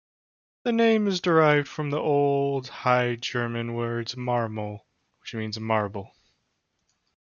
The name is derived from the Old High German word 'marmul', which means 'marble'.